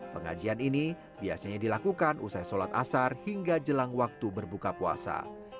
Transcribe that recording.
pengajian ini biasanya dilakukan usai sholat asar hingga jelang waktu berbuka puasa